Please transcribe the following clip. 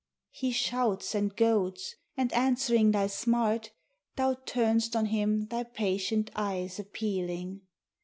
He shouts and goads, and answering thy smart, Thou turn'st on him thy patient eyes appealing.